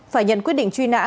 phải nhận quyết định truy nã